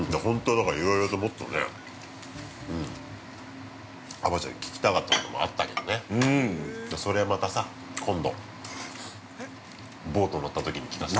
だからもっとねあばちゃんに聞きたかったこともあったけどね。それはまたさ、今度ボート乗ったときに聞かせて。